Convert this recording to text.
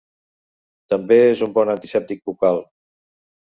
També és un bon antisèptic bucal.